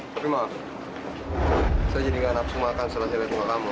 tapi maaf saya jadi nggak nafsu makan setelah saya datang ke kamar